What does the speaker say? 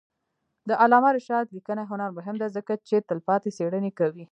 د علامه رشاد لیکنی هنر مهم دی ځکه چې تلپاتې څېړنې کوي.